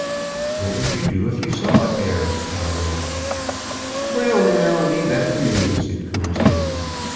"What would you do if you saw a bear?" Pod asked. "Well, now leave that to me," said Coonskin.